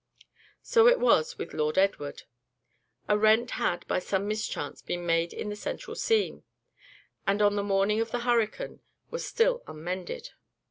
So it was with Lord Edward. A rent had, by some mischance been made in the central seam, and, on the morning of the hurricane, was still unmended.